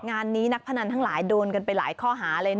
งานนี้นักพนันทั้งหลายโดนกันไปหลายข้อหาเลย